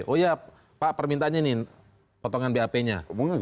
oh ya pak permintanya ini potongan bap nya